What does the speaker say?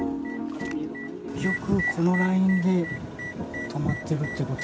このラインで止まっているということ。